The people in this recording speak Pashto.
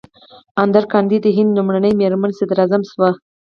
اندرا ګاندي د هند لومړۍ میرمن صدراعظم شوه.